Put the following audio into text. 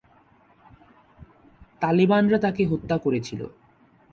তালেবানরা তাকে হত্যা করেছিল।